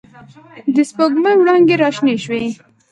د سپوږ مۍ وړانګې را شنې شوې